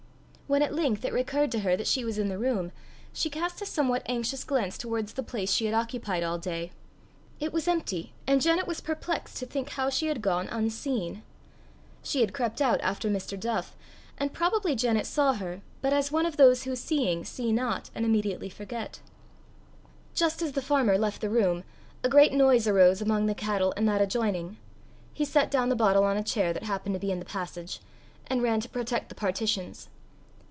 When at length it recurred to her that she was in the room, she cast a somewhat anxious glance towards the place she had occupied all day. It was empty; and Janet was perplexed to think how she had gone unseen. She had crept out after Mr. Duff, and probably Janet saw her, but as one of those who seeing, see not, and immediately forget. Just as the farmer left the room, a great noise arose among the cattle in that adjoining; he set down the bottle on a chair that happened to be in the passage, and ran to protect the partitions.